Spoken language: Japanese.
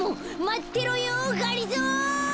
まってろよがりぞー！